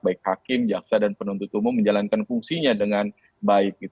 baik hakim jaksa dan penuntut umum menjalankan fungsinya dengan baik